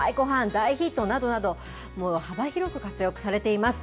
大ヒットなどなど、もう幅広く活躍されています。